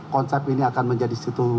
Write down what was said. konsep ini akan menjadi situng